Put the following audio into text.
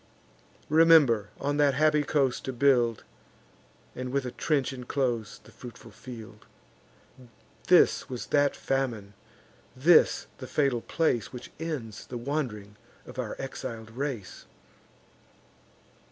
Remember on that happy coast to build, And with a trench inclose the fruitful field.' This was that famine, this the fatal place Which ends the wand'ring of our exil'd race.